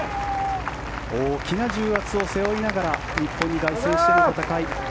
大きな重圧を背負いながら日本に凱旋しての戦い。